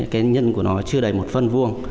cái nhân của nó chưa đầy một phân vuông